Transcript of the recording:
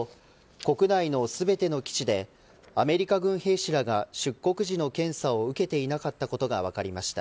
国内の全ての基地でアメリカ軍兵士らが出国時の検査を受けていなかったことが分かりました。